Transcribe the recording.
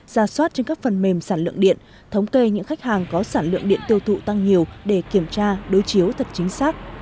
ra soát trên các phần mềm sản lượng điện thống kê những khách hàng có sản lượng điện tiêu thụ tăng nhiều để kiểm tra đối chiếu thật chính xác